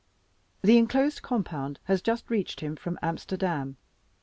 The inclosed compound has just reached him from Amsterdam.